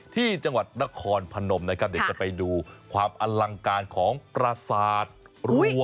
ที่จังหวัดนครพนมนะครับเดี๋ยวจะไปดูความอลังการของประสาทรัว